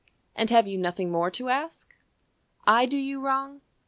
And have you nothing more to ask? I do you wrong?